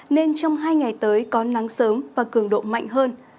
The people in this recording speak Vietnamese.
nên trong hai ngày tới có nắng sớm và cường độ mạnh hơn